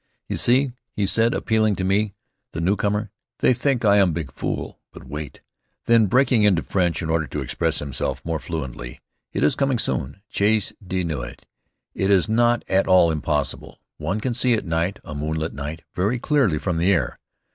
"You see?" he said, appealing to me, the newcomer. "They think I am big fool. But wait." Then, breaking into French, in order to express himself more fluently: "It is coming soon, chasse de nuit. It is not at all impossible. One can see at night, a moonlight night, very clearly from the air.